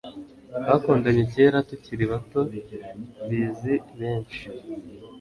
twakundanye kera tukiri bato, bizi benshi